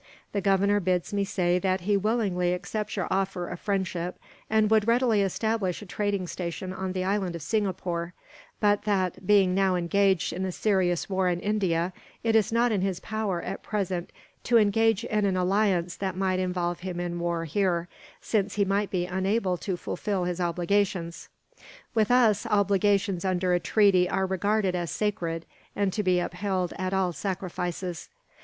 "The Governor bids me say that he willingly accepts your offer of friendship, and would readily establish a trading station on the island of Singapore; but that, being now engaged in a serious war in India, it is not in his power, at present, to engage in an alliance that might involve him in war here, since he might be unable to fulfil his obligations. With us, obligations under a treaty are regarded as sacred, and to be upheld at all sacrifices.